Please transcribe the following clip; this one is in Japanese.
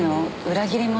裏切り者？